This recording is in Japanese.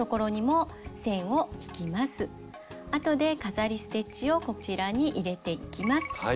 あとで飾りステッチをこちらに入れていきます。